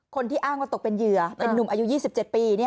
คนที่อ้างว่าตกเป็นเหยื่อเป็นนุ่มอายุ๒๗ปี